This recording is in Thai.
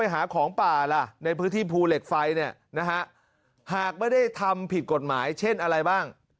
หากไม่ได้ทำผิดกฎหมายเช่นอะไรบ้าง